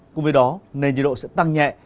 cùng với đó nền nhiệt độ sẽ tăng nhẹ